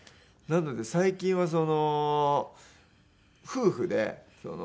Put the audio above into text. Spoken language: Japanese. なので最近は夫婦で。